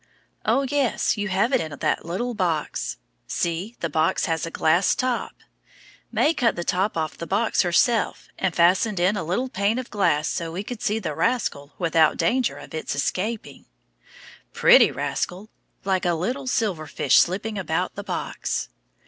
Oh, yes, you have it in that little box. See, the box has a glass top. May cut the top off the box herself, and fastened in a little pane of glass so we could see the rascal without danger of its escaping. Pretty rascal! Like a little silver fish slipping about the box.